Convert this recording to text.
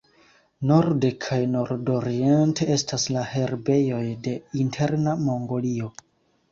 Norde kaj nordoriente estas la herbejoj de Interna Mongolio.